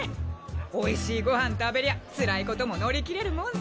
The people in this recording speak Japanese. おいしいご飯食べりゃつらいことも乗り切れるもんさ。